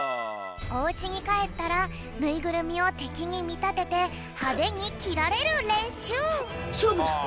おうちにかえったらぬいぐるみをてきにみたててハデにきられるれんしゅう。